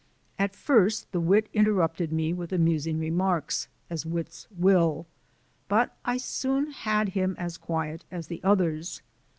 At first the wit interrupted me with amusing remarks, as wits will, but I soon had him as quiet as the others.